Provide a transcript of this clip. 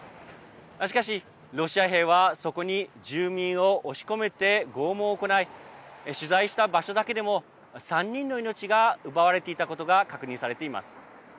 しかしロシア兵は、そこに住民を押し込めて拷問を行い取材した場所だけでも３人の命が奪われていたことが確認されています。